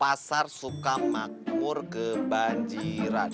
pasar suka makmur kebanjiran